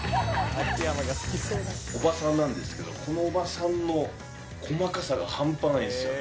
おばさんなんですけど、このおばさんの細かさが半端ないんですよね。